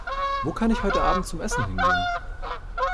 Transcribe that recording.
Wo kann ich heute Abend zum Essen hingehen?